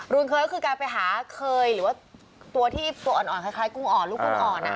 เคยก็คือการไปหาเคยหรือว่าตัวที่ตัวอ่อนคล้ายกุ้งอ่อนลูกกุ้งอ่อน